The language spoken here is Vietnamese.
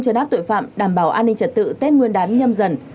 chấn áp tội phạm đảm bảo an ninh trật tự tết nguyên đán nhâm dần